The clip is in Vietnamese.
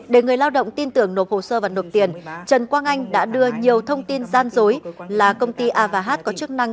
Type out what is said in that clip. để người lao động tin tưởng nộp hồ sơ và nộp tiền trần quang anh đã đưa nhiều thông tin gian dối là công ty a h có chức năng